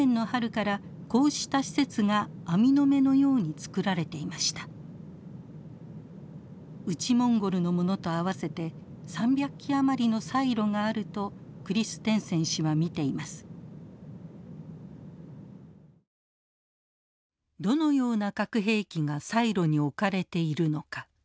どのような核兵器がサイロに置かれているのか。